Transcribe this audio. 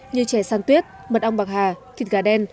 như chè san tuyết mật ong bạc hà thịt gà đen